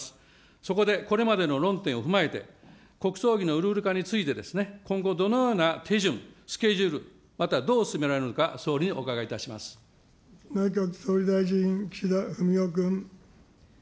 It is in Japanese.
そこでこれまでの論点を踏まえて、国葬儀のルール化について、今後、どのような手順、スケジュール、またどう進められるのか、総理に内閣総理大臣、岸田文雄君。